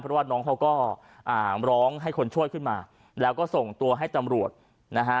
เพราะว่าน้องเขาก็อ่าร้องให้คนช่วยขึ้นมาแล้วก็ส่งตัวให้ตำรวจนะฮะ